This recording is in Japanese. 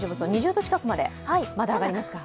２０度近くまで上がりますか。